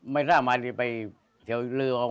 ไม่ท่ามาที่ไปเฉลยเลือออก